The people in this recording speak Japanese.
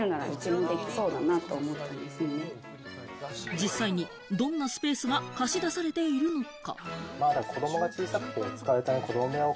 実際にどんなスペースが貸し出されているのか？